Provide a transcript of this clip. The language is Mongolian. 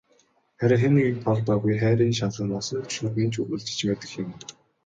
Харин хэн нэгэнд тоогдоогүй хайрын шаналан насан туршид минь ч үргэлжилж мэдэх юм.